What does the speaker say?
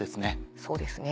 そうですね。